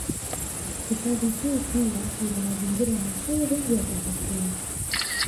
Hifadhi hii pia ina mazingira mazuri ya kuvutia